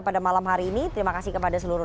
pada malam hari ini terima kasih kepada seluruh